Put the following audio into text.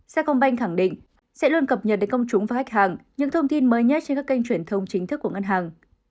sacombank khẳng định sẽ luôn cập nhật đến công chúng và khách hàng những thông tin mới nhất trên các kênh truyền thông chính thức của ngân hàng